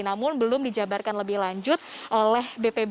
namun belum dijabarkan lebih lanjut oleh bpb